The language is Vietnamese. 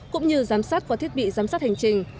cũng như giám sát qua thiết bị giám sát hành trình